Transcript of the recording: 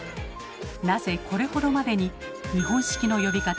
なぜこれほどまでに日本式の呼び方